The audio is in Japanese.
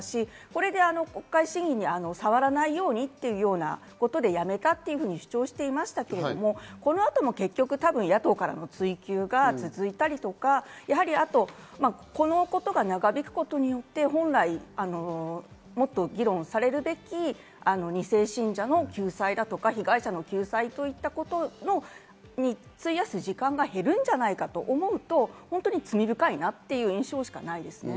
これで国会審議にさわらないようにというようなことで辞めたと主張していましたけれども、この後も結局野党からの追及が続いたりとか、あと、このことが長引くことで、本来もっと議論されるべき二世信者の救済とか、被害者の救済といったことに費やす時間が減るんじゃないかと思うと、本当に罪深いなという印象しかないです。